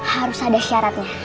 harus ada syaratnya